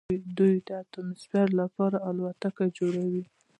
دوی د اتموسفیر لپاره الوتکې جوړوي.